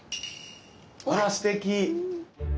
あらすてき！